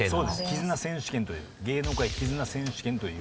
絆選手権という芸能界絆選手権という。